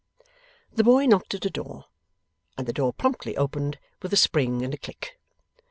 The boy knocked at a door, and the door promptly opened with a spring and a click.